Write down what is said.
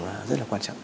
rất là quan trọng